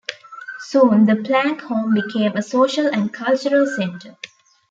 Soon the Planck home became a social and cultural center.